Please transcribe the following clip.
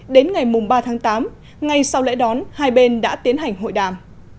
đến ngày ba tháng tám ngay sau lễ đón hai bên đã tiến hành hội đàm